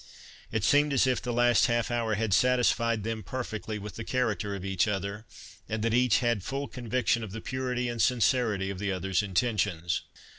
It seemed as if the last half hour had satisfied them perfectly with the character of each other, and that each had full conviction of the purity and sincerity of the other's intentions.